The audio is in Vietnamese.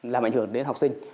làm ảnh hưởng đến học sinh